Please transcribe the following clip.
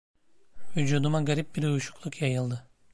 Vücuduma garip bir uyuşukluk yayıldı.